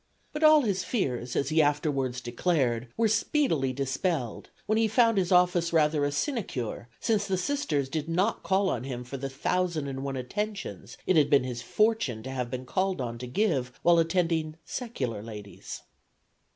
But all his fears, as he afterwards declared, were speedily dispelled when he found his office rather a sinecure, since the Sisters did not call on him for the thousand and one attentions it had been his fortune to have been called on to give while attending secular ladies.